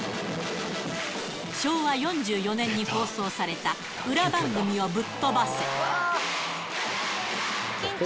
昭和４４年に放送された、裏番組をブッ飛ばせ！